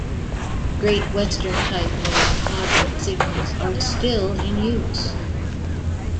Great Western type lower quadrant signals are still in use.